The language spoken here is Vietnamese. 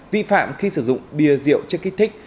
vi phạm khi sử dụng bia rượu chất kích thích